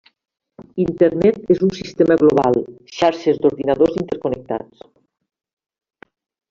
Internet és un sistema global xarxes d'ordinadors interconnectats.